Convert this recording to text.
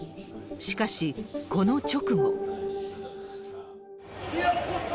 しかし、この直後。